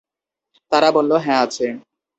তারা বলল, হ্যাঁ, আছে।